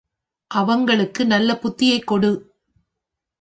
அவங்களுக்கு நல்ல புத்தியைக் கொடு!.